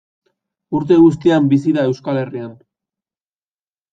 Urte guztian bizi da Euskal Herrian.